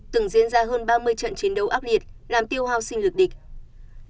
từng diễn ra hơn ba mươi trận chiến đấu ác liệt làm tiêu hao sinh lực địch